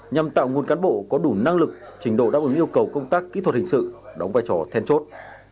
nhằm tạo nguồn cán bộ có đủ năng lực trình độ đáp ứng yêu cầu công tác kỹ thuật hình sự đóng vai trò then chốt